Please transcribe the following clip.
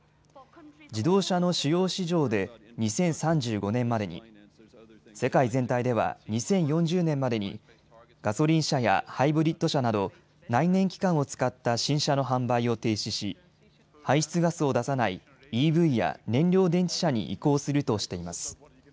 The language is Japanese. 自動車の主要市場で２０３５年までに、世界全体では２０４０年までにガソリン車やハイブリッド車など内燃機関を使った新車の販売を停止し排出ガスを出さないＥＶや燃料電池車に移行するとしています。